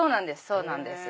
そうなんです。